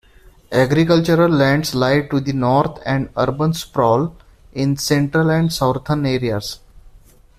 Agricultural lands lie to the north and urban sprawl in central and southern areas.